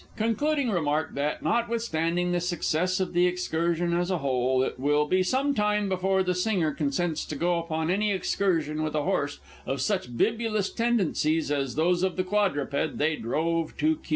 Concluding remark that, notwithstanding the success of the excursion, as a whole it will be some time before the singer consents to go upon any excursion with a horse of such bibulous tendencies as those of the quadruped they drove to Kew.